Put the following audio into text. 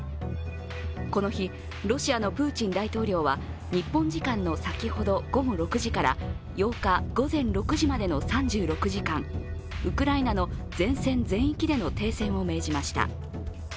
この日、ロシアのプーチン大統領は日本時間の先ほど、午後６時から８日午前６時までの３６時間、ウクライナでの前線全域での停戦を命じました。